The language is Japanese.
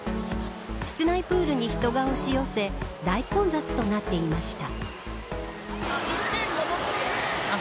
室内プールに人が押し寄せ大混雑となっていました。